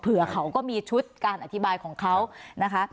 เขาก็มีชุดการอธิบายของเขานะคะ